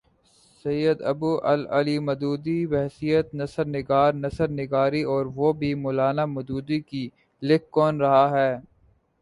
سید ابو الاعلی مودودی، بحیثیت نثر نگار نثر نگاری اور وہ بھی مو لانا مودودی کی! لکھ کون رہا ہے؟